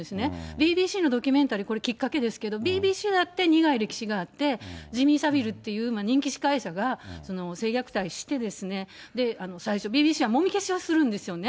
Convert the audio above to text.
ＢＢＣのドキュメンタリー、これ、きっかけですけど、ＢＢＣだって苦い歴史があって、ジミー・サビルという人気司会者が性虐待して、最初、ＢＢＣはもみ消しはするんですよね。